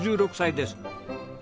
６６歳です。